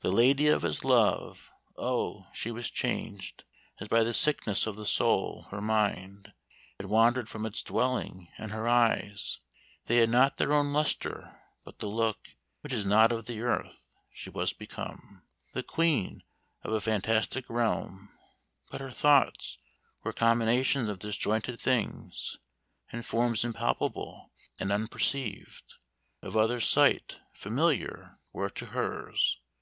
"The lady of his love, oh! she was changed As by the sickness of the soul; her mind Had wandered from its dwelling, and her eyes, They had not their own lustre, but the look Which is not of the earth; she was become The queen of a fantastic realm: but her thoughts Were combinations of disjointed things; And forms impalpable and unperceived Of others' sight, familiar were to hers.